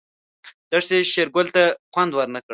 دښتې شېرګل ته خوند ورنه کړ.